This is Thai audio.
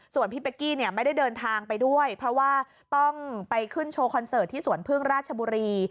ส่วนพี่เป๊กกี้เนี่ยไม่ได้เดินทางไปด้วยเพราะว่าต้องไปขึ้นโชว์คอนเสิร์ตที่สวนพึ่งราชบุรี